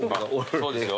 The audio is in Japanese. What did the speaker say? そうですよ。